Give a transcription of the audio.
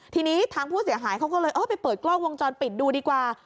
ทีนี้ทางผู้เสียหายเขาก็เลยเออไปเปิดกล้องวงจรปิดดูดีกว่า